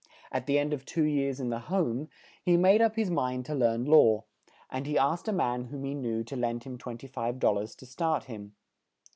At the end of two years in the "Home," he made up his mind to learn law; and he asked a man whom he knew to lend him twen ty five dol lars to start him.